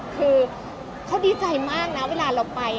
คือเขาดีใจมากนะเวลาเราไป